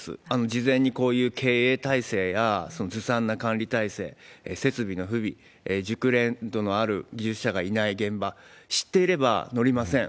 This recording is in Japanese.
事前にこういう経営体制やずさんな管理体制、設備の不備、熟練度のある技術者がいない現場、知っていれば乗りません。